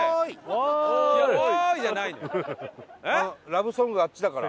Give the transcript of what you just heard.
ラブソングがあっちだから。